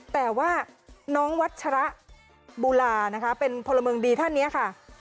แต่ว่าน้องวัชระบูลานะคะเป็นพลเมืองดีท่านนี้ค่ะ